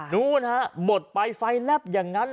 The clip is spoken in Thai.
นู้นหมดไปไฟแลบอย่างนั้น